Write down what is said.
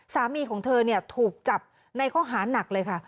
สามีของเธอถูกจับในข้อหานักเลยค่ะ